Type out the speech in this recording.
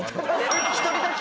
一人だけ？